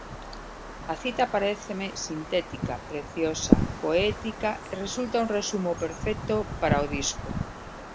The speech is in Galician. A cita paréceme sintética, preciosa, poética e resulta un resumo perfecto para o disco.